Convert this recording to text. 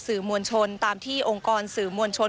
สื่อมวลชนตามที่องค์กรสื่อมวลชน